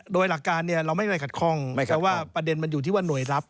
โดยหลักการเราไม่เคยขัดข้องว่าประเด็นมันอยู่ที่ว่าหน่วยรับ